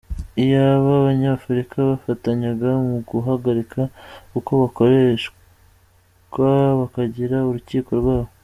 Iyaba Abanyafurika bafatanyaga mu guhagarika uko gukoreshwa bakagira urukiko rwabo.